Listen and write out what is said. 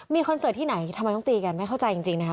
มีคอนเสิร์ตที่ไหนทำไมต้องตีกันไม่เข้าใจจริงนะคะ